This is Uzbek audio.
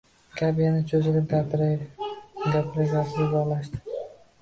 Gap yana cho'zilib gapira-gapira uzoqlashdi.